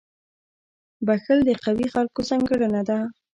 • بخښل د قوي خلکو ځانګړنه ده.